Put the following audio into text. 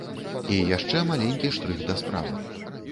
І яшчэ маленькі штрых да справы.